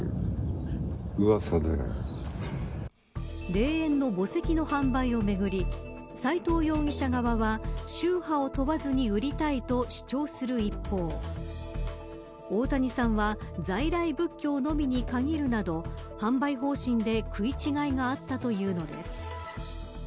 霊園の墓石の販売をめぐり斎藤容疑者側は宗派を問わずに売りたいと主張する一方大谷さんは在来仏教のみに限るなど販売方針で食い違いがあったというのです。